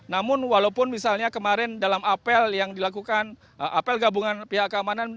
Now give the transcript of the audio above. namun walaupun misalnya kemarin dalam apel yang dilakukan apel gabungan pihak keamanan